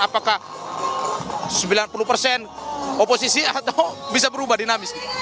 apakah sembilan puluh persen oposisi atau bisa berubah dinamis